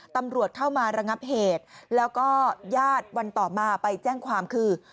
ตำรวจเข้ามาระงับเหตุแล้วก็ญาติวันต่อมาไปแจ้งความคือ